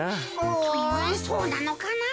うんそうなのかな？